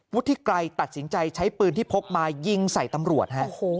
วุฒิไกรตัดสินใจใช้ปืนที่พกมายิงใส่ตำรวจฮะ